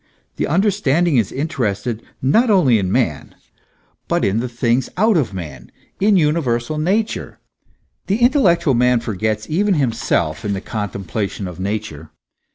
45 The understanding is interested not only in man, but in the things out of man, in universal Nature. The intellectual man forgets even himself in the contemplation of Nature.